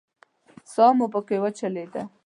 ساه مو پکې وچلېده.